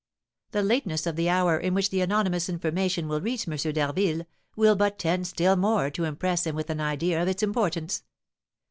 "The lateness of the hour in which the anonymous information will reach M. d'Harville, will but tend still more to impress him with an idea of its importance."